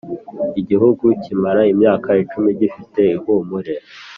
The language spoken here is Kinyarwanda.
igihugu kimara imyaka cumi gifite ihumure